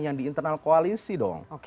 yang di internal koalisi dong